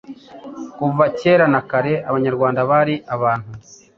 Kuva kera na kare Abanyarwanda bari abantu